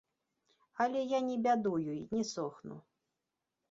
Але я не бядую й не сохну.